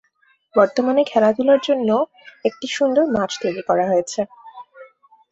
বর্তমানে খেলাধুলার জন্য একটি সুন্দর মাঠ তৈরি করা হয়েছে।